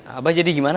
abah jadi gimana